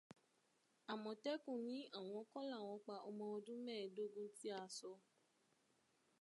Àmọ̀tẹ́kùn ní àwọn kọ́ làwọn pa ọmọ ọdún mẹ́ẹ̀dógun tí a sọ